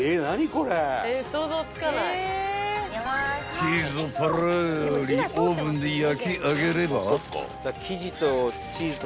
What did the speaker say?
［チーズをパラリオーブンで焼き上げれば］